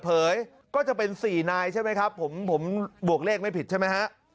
เผยก็จะเป็นสี่นายใช่ไหมครับผมผมบวกเลขไม่ผิดใช่ไหมฮะ